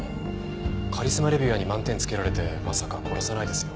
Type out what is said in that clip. カリスマ・レビュアーに満点付けられてまさか殺さないですよ。